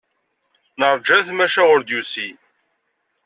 Neṛja-t maca ur d-yusi.